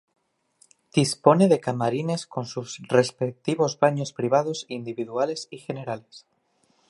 Dispone de camarines con sus respectivos baños privados individuales y generales.